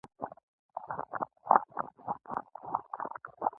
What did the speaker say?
څو واره مړه کېږي دا یو حقیقت دی.